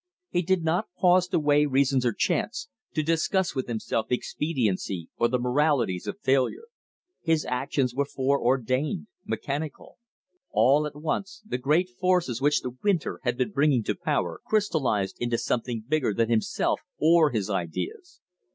He did not pause to weigh reasons or chances, to discuss with himself expediency, or the moralities of failure. His actions were foreordained, mechanical. All at once the great forces which the winter had been bringing to power, crystallized into something bigger than himself or his ideas.